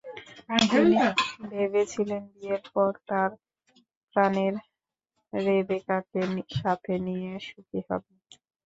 তিনি ভেবেছিলেন বিয়ের পর তার প্রাণের রেবেকাকে সাথে নিয়ে সুখী হবেন।